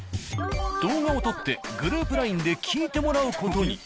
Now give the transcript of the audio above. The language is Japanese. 動画を撮ってグループＬＩＮＥで聞いてもらう事に。